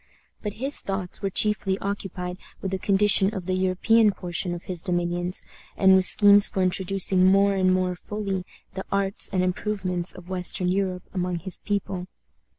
But his thoughts were chiefly occupied with the condition of the European portion of his dominions, and with schemes for introducing more and more fully the arts and improvements of western Europe among his people.